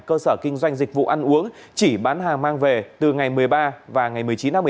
cơ sở kinh doanh dịch vụ ăn uống chỉ bán hàng mang về từ ngày một mươi ba và ngày một mươi chín tháng một mươi một